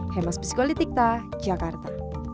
hemas psikolitik tak jakarta